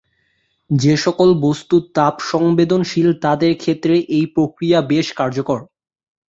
যেসকল বস্তু তাপ সংবেদনশীল তাদের ক্ষেত্রে এই প্রক্রিয়া বেশ কার্যকর।